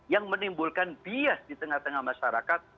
yang menimbulkan bias di tengah tengah masyarakat